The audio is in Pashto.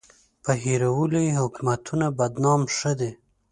په هېرولو یې حکومتونه بدنام ښه دي.